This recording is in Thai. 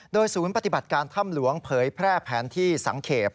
โดยศูนย์ปฏิบัติการถ้ำหลวงเผยแพร่แผนที่สังเกต